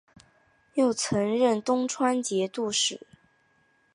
又曾任东川节度使。